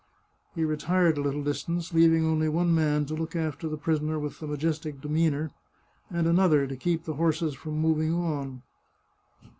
He retired a little distance, leaving only one man to look after the prisoner with the majestic demeanour, and another to keep the horses from moving on.